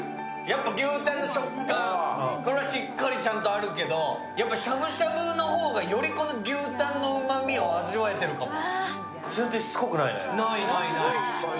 やっぱ牛タンの食感、これしっかりあるけど、しゃぶしゃぶの方が、より牛タンのうまみを味わえてるかも。